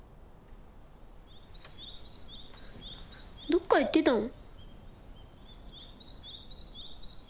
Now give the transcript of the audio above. どっか行ってたの？